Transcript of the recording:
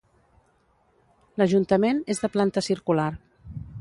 L'ajuntament és de planta circular.